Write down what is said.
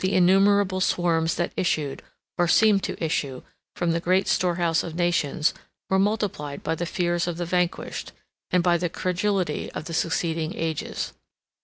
The innumerable swarms that issued, or seemed to issue, from the great storehouse of nations, were multiplied by the fears of the vanquished, and by the credulity of succeeding ages.